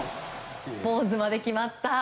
ポーズまで決まった。